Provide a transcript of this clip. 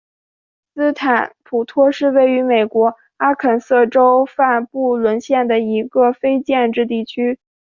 斯坦普托是位于美国阿肯色州范布伦县的一个非建制地区。